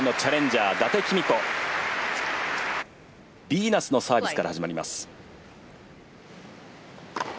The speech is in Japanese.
ビーナスのサービスから始まります。